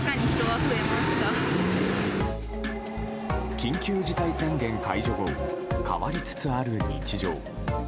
緊急事態宣言解除後変わりつつある日常。